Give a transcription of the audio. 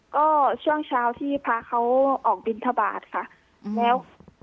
ก็ช่วงเช้าที่พระเขาออกบินทบาทค่ะแล้ว